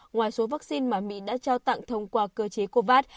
ngoài số vaccine mà mỹ đã trao tặng thông qua cơ chế covax